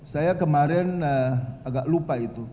saya kemarin agak lupa itu